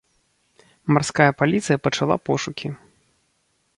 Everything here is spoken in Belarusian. Марская паліцыя пачала пошукі.